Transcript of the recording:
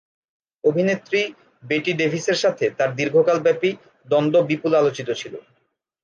অভিনেত্রী বেটি ডেভিসের সাথে তার দীর্ঘকাল ব্যাপী দ্বন্দ্ব বিপুল আলোচিত ছিল।